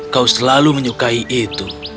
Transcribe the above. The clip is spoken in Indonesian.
kau selalu menyukai itu